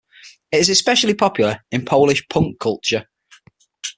It is especially popular in Polish punk culture.